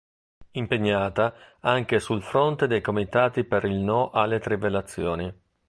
Impegnata anche sul fronte dei comitati per il No alle trivellazioni.